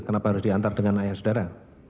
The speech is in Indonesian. kenapa harus diantar dengan ayah saudara